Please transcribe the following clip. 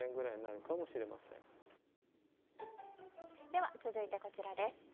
では続いて、こちらです。